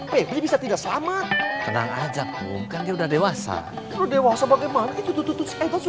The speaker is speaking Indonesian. pb bisa tidak selamat tenang aja kum kan udah dewasa dewasa bagaimana itu tuh sudah bisa tutup